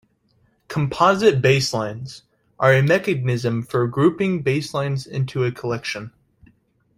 "Composite baselines" are a mechanism for grouping baselines into a collection.